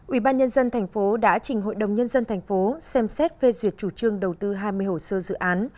ủy ban nhân dân thành phố đã trình hội đồng nhân dân thành phố xem xét phê duyệt chủ trương đầu tư hai mươi hồ sơ dự án